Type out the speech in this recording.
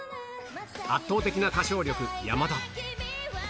圧倒的な歌唱力、ヤマダ。